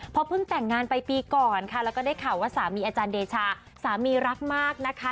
พอเพิ่งแต่งงานไปปีก่อนค่ะแล้วก็ได้ข่าวว่าสามีอาจารย์เดชาสามีรักมากนะคะ